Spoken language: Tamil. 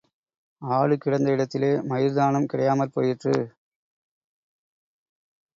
ஆடு கிடந்த இடத்திலே மயிர்தானும் கிடையாமற் போயிற்று.